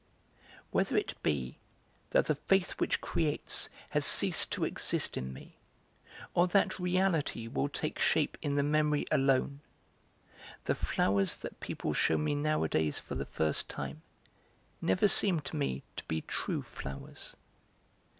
Whether it be that the faith which creates has ceased to exist in me, or that reality will take shape in the memory alone, the flowers that people shew me nowadays for the first time never seem to me to be true flowers.